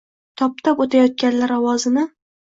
Toptab oʻtayotganlar ovozini…